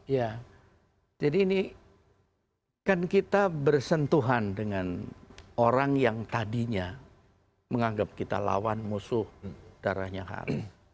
ya jadi ini kan kita bersentuhan dengan orang yang tadinya menganggap kita lawan musuh darahnya khas